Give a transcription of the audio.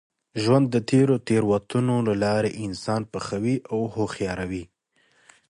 ژوند د تېرو تېروتنو له لاري انسان پخوي او هوښیاروي.